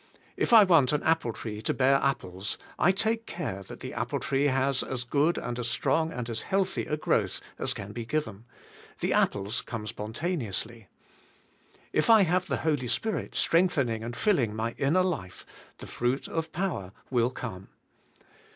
If I want an apple tree to bear apples, I take care that that appletree has as good and as strong and as healthy a growth as can be given; the apples come spontaneously. If I have the Holy Spirit strengthening and filling my inner life, the fruit of power will come.